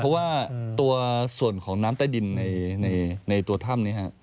เพราะว่าตัวส่วนของน้ำใต้ดินในตัวถ้ำนี้